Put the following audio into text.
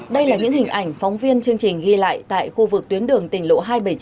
đây là những hình ảnh phóng viên chương trình ghi lại tại khu vực tuyến đường tỉnh lộ hai trăm bảy mươi chín